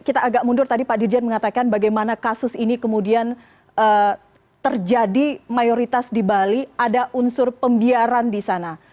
kita agak mundur tadi pak dirjen mengatakan bagaimana kasus ini kemudian terjadi mayoritas di bali ada unsur pembiaran di sana